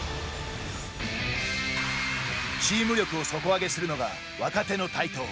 チーム力を底上げするのが若手の台頭。